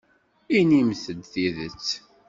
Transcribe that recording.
Inimt-d tidet.